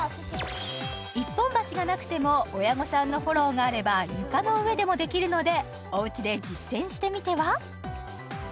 一本橋がなくても親御さんのフォローがあれば床の上でもできるのでおうちで実践してみては？